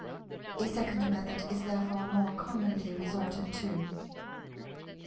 A second method is therefore more commonly resorted to.